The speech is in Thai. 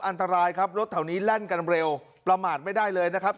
อันตรายครับรถแถวนี้แล่นกันเร็วประมาทไม่ได้เลยนะครับ